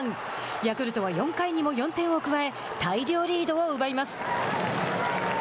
ヤクルトは４回にも４点を加え大量リードを奪います。